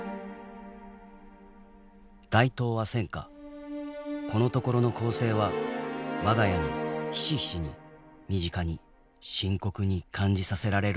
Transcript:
「大東亜戦下此の処の攻勢は我が家にひしひしに身近に深刻に感じさせられるに到った。